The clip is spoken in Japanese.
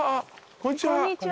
こんにちは。